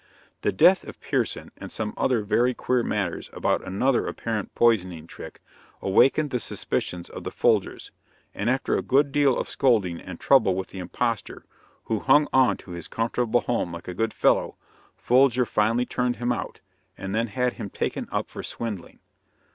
The death of Pierson, and some very queer matters about another apparent poisoning trick, awakened the suspicions of the Folgers; and after a good deal of scolding and trouble with the impostor, who hung on to his comfortable home like a good fellow, Folger finally turned him out, and then had him taken up for swindling.